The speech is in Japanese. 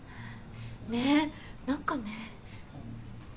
ねぇ何かね。